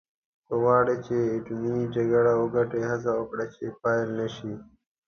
که غواړې چې اټومي جګړه وګټې هڅه وکړه چې پیل نه شي.